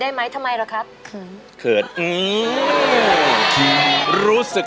ยังไม่มีให้รักยังไม่มี